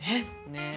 ねえ。